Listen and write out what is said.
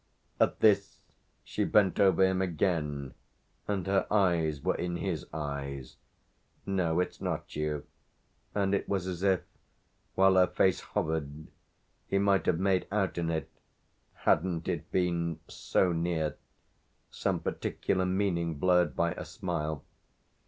At this she bent over him again, and her eyes were in his eyes. "No it's not you." And it was as if, while her face hovered, he might have made out in it, hadn't it been so near, some particular meaning blurred by a smile.